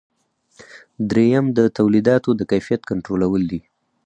دریم د تولیداتو د کیفیت کنټرولول دي.